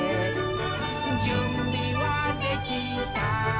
「じゅんびはできた？